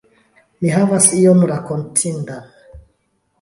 Mi havas ion rakontindan.